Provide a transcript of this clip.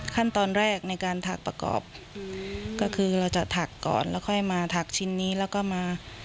ขั้นตอนแรกในการถักประกอบก็คือเราจะถักก่อนแล้วค่อยมาถักชิ้นนี้แล้วก็มา